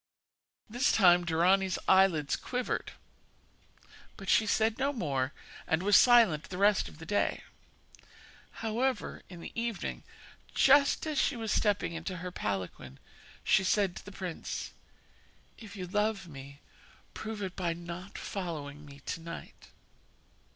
This time Dorani's eyelids quivered; but she said no more, and was silent the rest of the day. However, in the evening, just as she was stepping into her palanquin, she said to the prince: 'If you love me, prove it by not following me to night.'